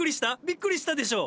びっくりしたでしょ？